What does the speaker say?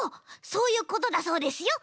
そういうことだそうですよ